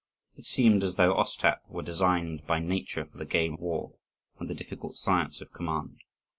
It seemed as though Ostap were designed by nature for the game of war and the difficult science of command.